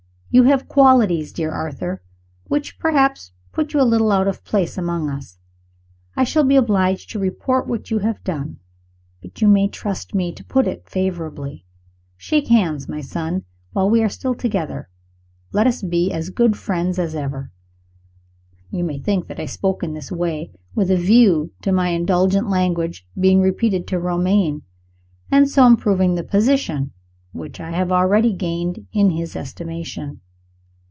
You have qualities, dear Arthur, which perhaps put you a little out of place among us. I shall be obliged to report what you have done but you may trust me to put it favorably. Shake hands, my son, and, while we are still together, let us be as good friends as ever." You may think that I spoke in this way with a view to my indulgent language being repeated to Romayne, and so improving the position which I have already gained in his estimation.